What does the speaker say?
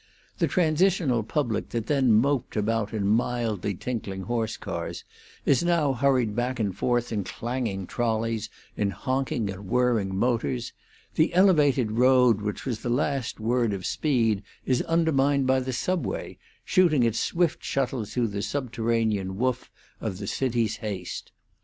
The transitional public that then moped about in mildly tinkling horse cars is now hurried back and forth in clanging trolleys, in honking and whirring motors; the Elevated road which was the last word of speed is undermined by the Subway, shooting its swift shuttles through the subterranean woof of the city's haste.